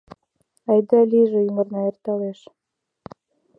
Айда-лийже ӱмырна эрталеш.